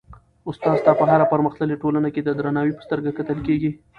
استاد ته په هره پرمختللي ټولنه کي د درناوي په سترګه کتل کيږي.